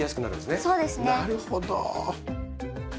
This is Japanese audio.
なるほど。